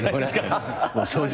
正直。